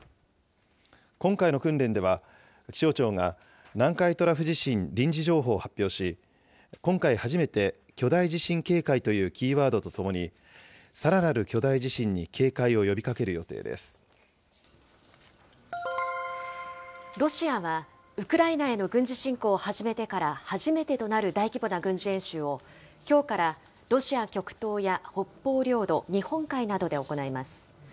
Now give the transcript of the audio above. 今回の訓練では、気象庁が南海トラフ地震臨時情報を発表し、今回初めて、巨大地震警戒というキーワードとともに、さらなる巨大地震に警戒ロシアはウクライナへの軍事侵攻を始めてから初めてとなる大規模な軍事演習を、きょうからロシア極東や北方領土、日本海などで行います。